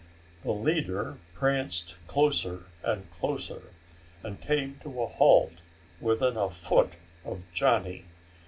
The leader pranced closer and closer and came to a halt within a foot of Johnny.